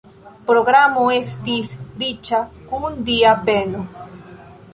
Programo estis riĉa kun Dia beno.